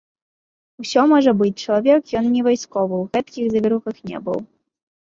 Усё можа быць, чалавек ён не вайсковы, у гэткіх завірухах не быў.